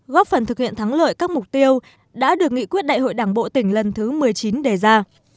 góp phần thực hiện thắng lợi các mục tiêu đã được nghị quyết đại hội đảng bộ tỉnh lần thứ một mươi chín đề ra